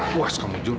buas kamu juga